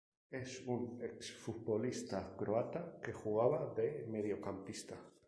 Es un ex-futbolista croata que jugaba de Mediocampista.